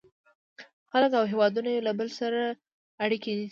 • خلک او هېوادونه یو له بل سره اړیکه نیسي.